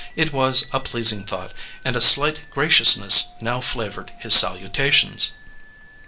It was a pleasing thought, and a slight graciousness now flavoured his salutations.